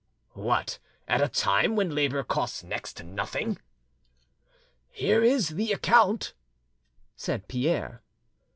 "What! at a time when labour costs next to nothing?" "Here is the account," said Pierre.